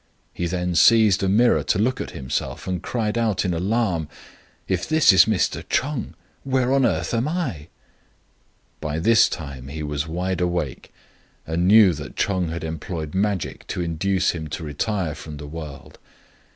He then seized a mirror to look at himself, and cried out in alarm :" If this is Mr. Ch'eng, where on earth am I?" By this FROM A CHINESE STUDIO. 59 time he was wide awake, and knew that Ch'eng had employed magic to induce him to retire from the world.